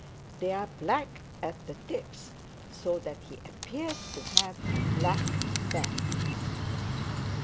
They are black at the tips so that he appears to have a black back.